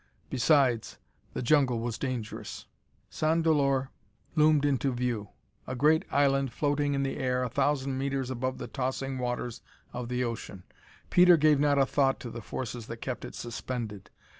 Besides, the jungle was dangerous. Sans Dolor loomed into view, a great island floating in the air a thousand meters above the tossing waters of the ocean. Peter gave not a thought to the forces that kept it suspended.